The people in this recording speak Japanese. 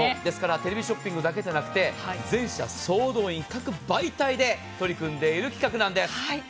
テレビショッピングだけじゃなくて全社総動員、各媒体で取り組んでいる企画なんです。